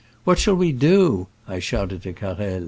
" What shall we do ?'* I shouted to Carrel.